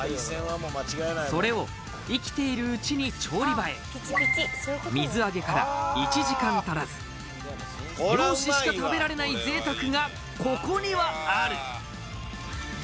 それを生きているうちに調理場へ水揚げから１時間足らず漁師しか食べられない贅沢がここにはある！